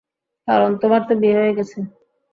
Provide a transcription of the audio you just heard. কারণ তোমার তো বিয়ে হয়ে গেছে।